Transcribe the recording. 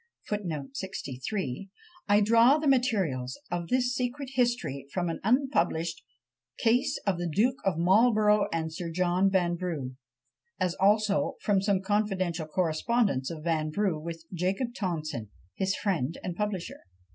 I draw the materials of this secret history from an unpublished "Case of the Duke of Marlborough and Sir John Vanbrugh," as also from some confidential correspondence of Vanbrugh with Jacob Tonson, his friend and publisher.